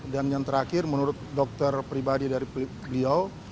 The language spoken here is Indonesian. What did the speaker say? dan yang terakhir menurut dokter pribadi dari beliau